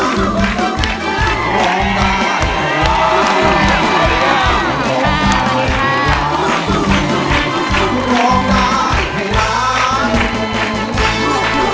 ลูกคุณคุณชีวิต